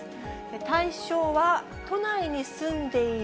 対象は都内に住んでいる、